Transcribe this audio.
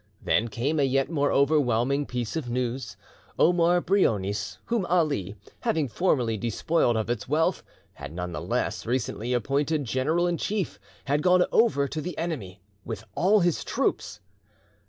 Then came a yet more overwhelming piece of news Omar Brionis, whom Ali, having formerly despoiled of its wealth, had none the less, recently appointed general in chief, had gone over to the enemy with all his troops!